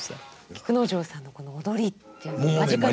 菊之丞さんのこの踊りっていうのを間近に。